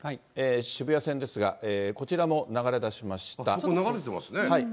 渋谷線ですが、こちらも流れだし流れてますね。